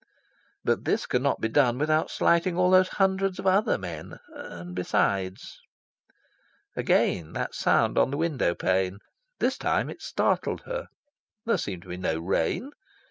But this could not be done without slighting all those hundreds of other men ... And besides... Again that sound on the window pane. This time it startled her. There seemed to be no rain.